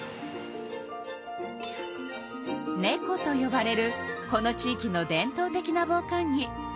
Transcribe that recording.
「ねこ」とよばれるこの地いきの伝とう的なぼう寒着。